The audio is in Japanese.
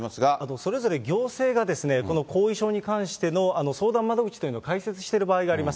それぞれ行政がこの後遺症に関しての相談窓口というのを開設している場合があります。